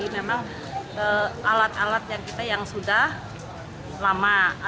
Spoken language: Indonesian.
memang alat alat yang kita yang sudah lama